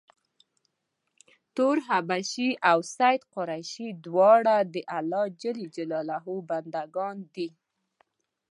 تور حبشي او سید قریشي دواړه د خدای ج بنده ګان دي.